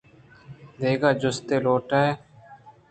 دگہ جستے لوٹیت